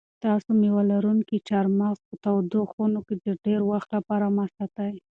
تاسو مېوه لرونکي چهارمغز په تودو خونو کې د ډېر وخت لپاره مه ساتئ.